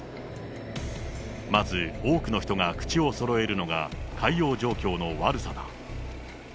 まず多くの人が口をそろえるのが、海洋状況の悪さだ。